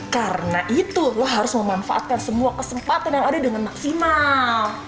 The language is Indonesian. karena itu lo harus memanfaatkan semua kesempatan yang ada dengan maksimal